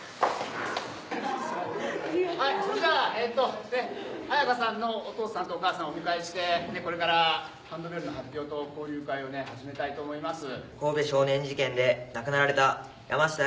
それじゃあ彩花さんのお父さんとお母さんをお迎えしてこれからハンドベルの発表と交流会を始めたいと思います。